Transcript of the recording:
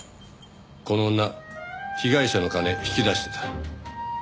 この女被害者の金引き出してた。